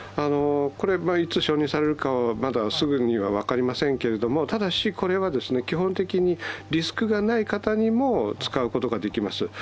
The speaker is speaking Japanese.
いつ承認されるかは、すぐには分かりませんけれども、ただし基本的にリスクがない方にも使うことができます。